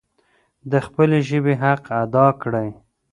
د خپلې ژبي حق ادا کړئ.